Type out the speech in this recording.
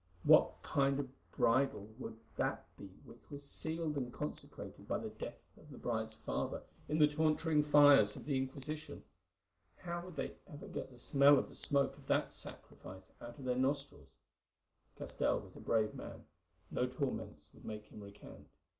What kind of a bridal would that be which was sealed and consecrated by the death of the bride's father in the torturing fires of the Inquisition? How would they ever get the smell of the smoke of that sacrifice out of their nostrils? Castell was a brave man; no torments would make him recant.